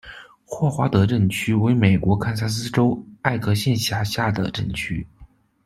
霍华德镇区为美国堪萨斯州艾克县辖下的镇区。